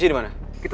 siapa di aika